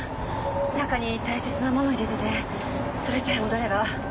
中に大切なもの入れててそれさえ戻れば。